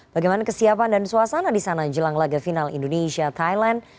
bagaimana kesiapan dan suasana di sana jelang laga final indonesia thailand